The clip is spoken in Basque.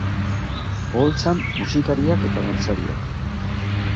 Oholtzan, musikariak eta dantzariak.